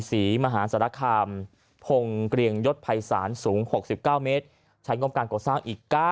ศรีมหาสารคามพงศ์เกรียงยศภัยศาลสูง๖๙เมตรใช้งบการก่อสร้างอีก๙